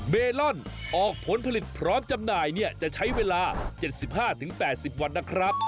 เมลอนออกผลผลิตพร้อมจำหน่ายเนี่ยจะใช้เวลา๗๕๘๐วันนะครับ